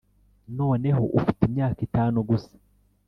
noneho ufite imyaka itanu gusa. ”